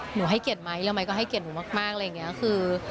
ให้เกียรติไหมแล้วไม้ก็ให้เกียรติหนูมากอะไรอย่างนี้คือ